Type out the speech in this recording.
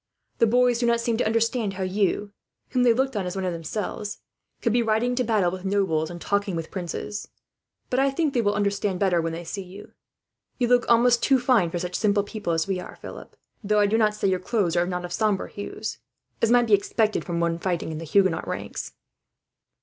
The boys did not seem to understand how you, whom they looked on as one of themselves, could be riding to battle with nobles and talking with princes; but I think they will understand better, when they see you. You look almost too fine for such simple people as we are, Philip; though I do not say your clothes are not of sombre hues, as might be expected from one fighting in the Huguenot ranks."